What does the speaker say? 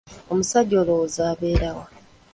Omusajja olowooza abeera wa?